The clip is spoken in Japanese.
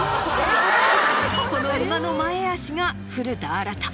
この馬の前足が古田新太。